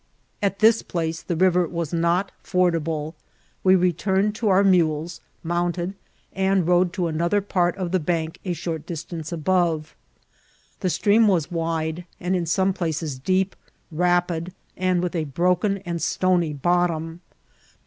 At this place the river was not fordable ; we returned to our mules, mounted, and rode to another part of the bank, a short distance above. The stream was wide, and in some places deep, rapid, and with a broken and stony bottom.